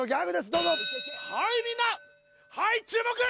どうぞはいみんなはい注目！